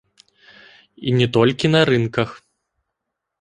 І не толькі на рынках.